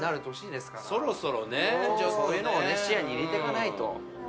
そういうのを視野に入れていかないと。